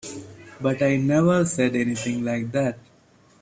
But I never said anything like that.